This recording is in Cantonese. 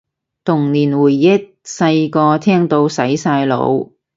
童年回憶，細個聽到洗晒腦